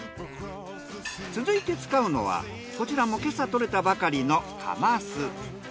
続いて使うのはこちらも今朝獲れたばかりのカマス。